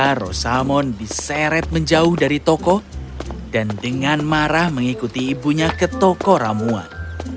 aro salmon diseret menjauh dari toko dan dengan marah mengikuti ibunya ke toko ramuan